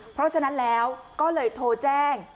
เพราะฉะนั้นแล้วก็เลยโทรแจ้ง